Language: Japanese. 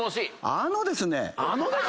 「あのですね」